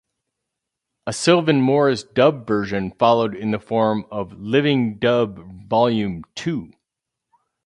A Sylvan Morris dub version followed in the form of "Living Dub Volume Two".